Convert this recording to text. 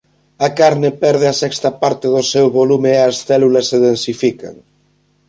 A carne perde a sexta parte do seu volume e as células se densifican.